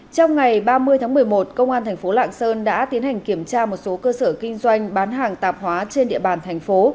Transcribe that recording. trong ngày ba mươi tháng một mươi một công an thành phố lạng sơn đã tiến hành kiểm tra một số cơ sở kinh doanh bán hàng tạp hóa trên địa bàn thành phố